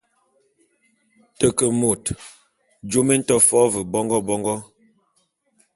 Te ke môt…jôm é to fo’o ve bongô bongô.